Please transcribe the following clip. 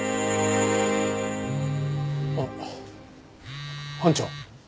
あっ班長。